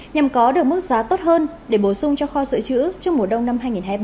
nhằm có được mức giá tốt hơn để bổ sung cho kho sợi chữ trước mùa đông năm hai nghìn hai mươi ba hai nghìn hai mươi bốn